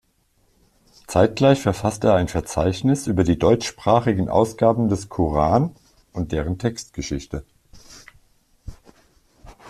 Zeitgleich verfasst er ein Verzeichnis über die deutschsprachigen Ausgaben des Qur’ân und deren Textgeschichte.